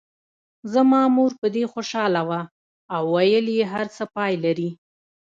زما مور په دې خوشاله وه او ویل یې هر څه پای لري.